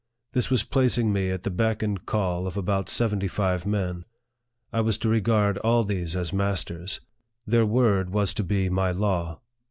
This was placing me at the beck and call of about seventy five men. I was to regard all these as mas ters. Their word was to be my law.